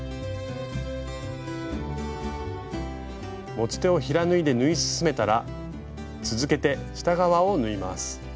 持ち手を平縫いで縫い進めたら続けて下側を縫います。